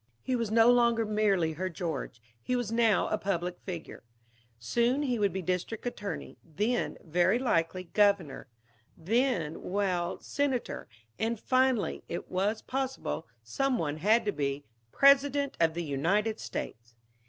He was no longer merely her George, he was now a public figure. Soon he would be district attorney; then, very likely, Governor; then well, Senator; and finally it was possible some one had to be President of the United States.